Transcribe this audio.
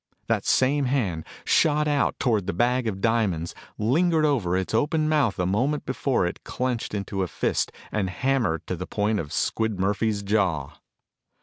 That same hand shot out toward the bag of diamonds, lingered over its open mouth a moment before it clenched into a fist and hammered to the point of Squid Murphy's jaw.